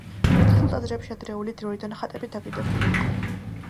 ქართულ ტაძრებში ადრეული დროიდან ხატები დაკიდებული იყო.